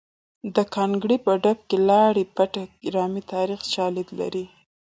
د ګانګړې په ډب کې لاړې بټه ګرامه تاریخي شالید لري